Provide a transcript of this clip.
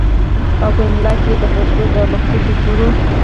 او پۀ املا کښې ئې دَپښتو دَمخصوصو تورو